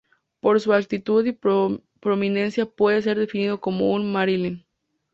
Por sus altitud y prominencia puede ser definido como un "Marilyn".